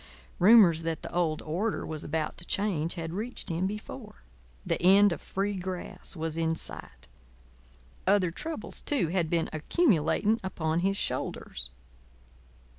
Rumours that the old order was about to change had reached him before. The end of Free Grass was in sight. Other troubles, too, had been accumulating upon his shoulders.